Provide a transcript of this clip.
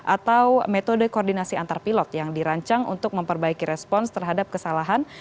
atau metode koordinasi antar pilot yang dirancang untuk memperbaiki respons terhadap kesalahan